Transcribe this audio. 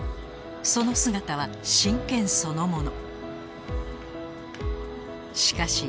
その姿は真剣そのもの